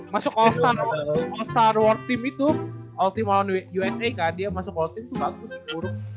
masuk all star war team itu ultima one usa kan dia masuk all team itu bagus skurx